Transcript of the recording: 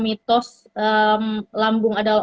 mitos lambung adalah